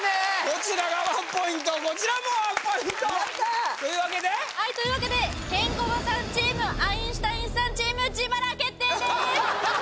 こちらもワンポイントやったーというわけではいというわけでケンコバさんチームアインシュタインさんチーム自腹決定です！